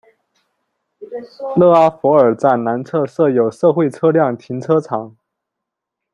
勒阿弗尔站南侧设有社会车辆停车场。